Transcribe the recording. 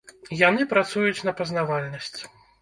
Яны працуюць на пазнавальнасць.